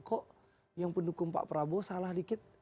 kok yang pendukung pak prabowo salah dikit